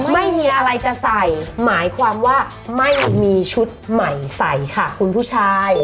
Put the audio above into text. ไม่มีอะไรจะใส่หมายความว่าไม่มีชุดใหม่ใส่ค่ะคุณผู้ชาย